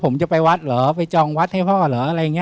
ผมจะไปวัดเหรอไปจองวัดให้พ่อเหรอ